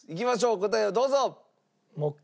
答えをどうぞ。